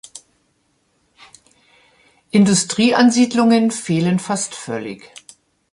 Industrieansiedlungen fehlen fast völlig.